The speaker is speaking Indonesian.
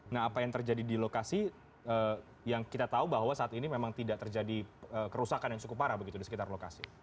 nah apa yang terjadi di lokasi yang kita tahu bahwa saat ini memang tidak terjadi kerusakan yang cukup parah begitu di sekitar lokasi